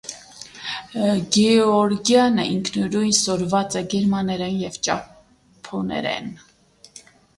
Գէոորգեանը ինքնուրոյն սորված է գերմաներէն եւ ճափոներէն։